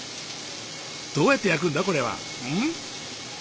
どうやって焼くんだこれは？